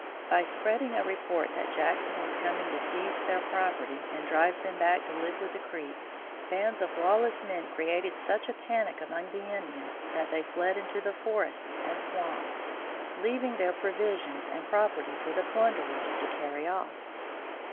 By spreading a report that Jackson was coming to seize their property and drive them back to live with the Creeks, bands of lawless men created such a panic among the Indians that they fled into the forests and swamps, leaving their provisions and property for the plunderers to carry off.